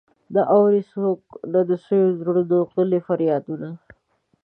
نه اوري څوک د سويو زړونو غلي فريادونه.